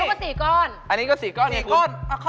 อันนี้ก็๔ก้อน